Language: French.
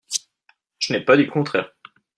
Je n’ai pas dit le contraire